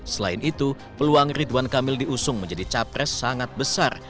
selain itu peluang ridwan kamil diusung menjadi capres sangat besar